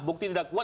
bukti tidak kuat